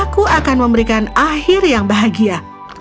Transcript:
aku akan memberikan akhir yang bahagia